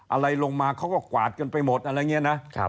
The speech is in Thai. อะไรลงมาเขาก็กวาดกันไปหมดอะไรอย่างนี้นะ